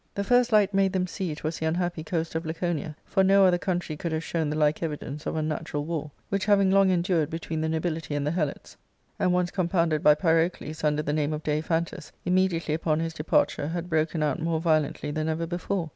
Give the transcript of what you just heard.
The first light made them see it was the unhappy coast of Laconia, for no other country could have shown the like evidence of unnatural war ; which having long endured be tween the nobility and the Helots, and once compounded by G G 4SO ARCADIA.— Book K Pyrocles, under the name of Daiphantus, immediately upon his departure had broken out more violently than ever before.